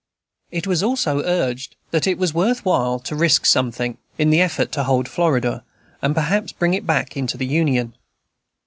It was also urged, that it was worth while to risk something, in the effort to hold Florida, and perhaps bring it back into the Union.